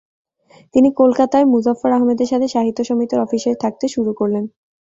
তিনি কলকাতায় মুজফ্ফর আহমদের সাথে সাহিত্য সমিতির অফিসে থাকতে শুরু করলেন।